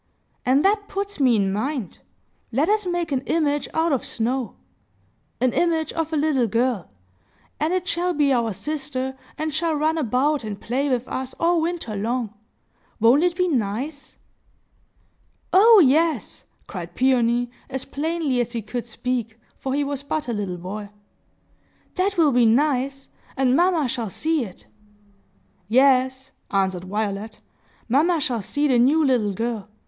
And that puts me in mind! Let us make an image out of snow,—an image of a little girl,—and it shall be our sister, and shall run about and play with us all winter long. Won't it be nice?" "Oh yes!" cried Peony, as plainly as he could speak, for he was but a little boy. "That will be nice! And mamma shall see it!" "Yes," answered Violet; "mamma shall see the new little girl.